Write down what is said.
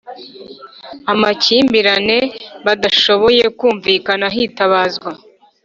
amakimbirane badashoboye kumvikana hitabazwa